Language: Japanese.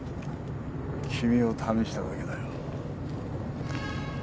君を試しただけだよ。